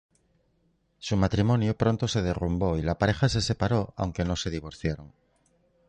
Su matrimonio pronto se derrumbó y la pareja se separó, aunque no se divorciaron.